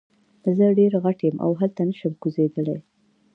زه ډیر غټ یم او هلته نشم کوزیدلی.